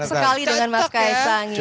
cocok sekali dengan mas ks sang ya